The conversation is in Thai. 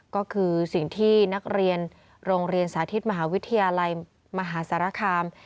ก็คือสิ่งที่นักเรียนโรงเรียนสาธิตมหาวิทยาลัยมหาสารคาม